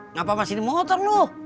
ngapain masih di motor lu